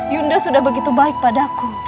yunda sudah begitu baik padaku